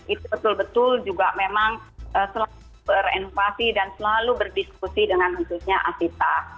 itu betul betul juga memang selalu berinovasi dan selalu berdiskusi dengan khususnya asita